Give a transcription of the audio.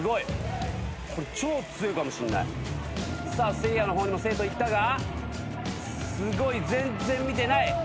せいやの方にも生徒行ったがすごい全然見てない。